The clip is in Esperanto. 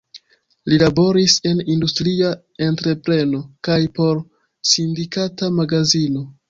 Li laboris en industria entrepreno kaj por sindikata magazino.